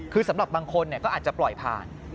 คือสำหรับบางคนก็อาจจะปล่อยผ่าน